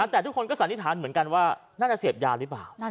แต่ทุกคนก็สันนิษฐานเหมือนกันว่าน่าจะเสพยาหรือเปล่า